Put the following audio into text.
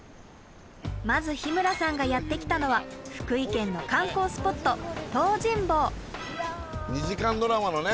まず日村さんがやって来たのは福井県の観光スポット東尋坊！